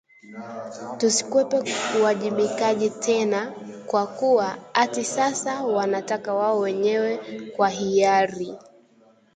tusikwepe uwajibikaji tena kwa kuwa ati sasa wanataka wao wenyewe kwahiyari